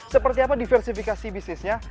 seperti apa diversifikasi bisnisnya